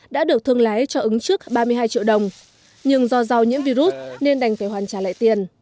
đã được thương lái cho ứng trước ba mươi hai triệu đồng nhưng do rau nhiễm virus nên đành phải hoàn trả lại tiền